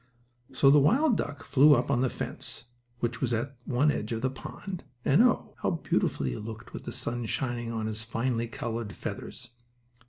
So the wild duck flew up on the fence, which was at one edge of the pond, and, oh, how beautiful he looked with the sun shining on his finely colored feathers.